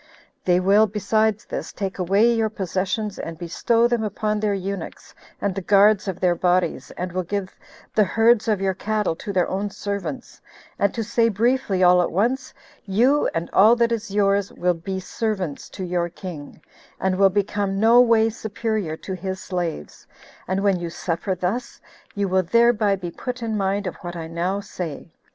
They will, besides this, take away your possessions, and bestow them upon their eunuchs, and the guards of their bodies, and will give the herds of your cattle to their own servants: and to say briefly all at once, you, and all that is yours, will be servants to your king, and will become no way superior to his slaves; and when you suffer thus, you will thereby be put in mind of what I now say.